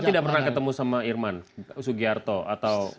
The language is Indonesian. saya tidak pernah ketemu sama irman sugiarto atau